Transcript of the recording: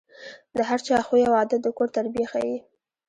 د هر چا خوی او عادت د کور تربیه ښيي.